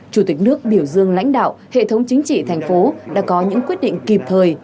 chủ tịch nước biểu dương lãnh đạo hệ thống chính trị thành phố đã có những quyết định kịp thời